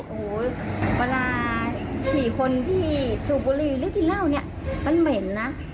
โอ้โฮเวลาฉี่คนที่ถูกบุรีหรือกินเหล้านี่มันเหม็นน่ะ